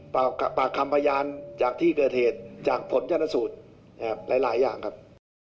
ปากคำพยานจากที่เกิดเหตุจากผลชนสูตรหลายอย่างครับ